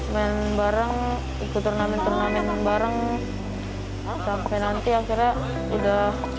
main bareng ikut turnamen turnamen bareng sampai nanti akhirnya udah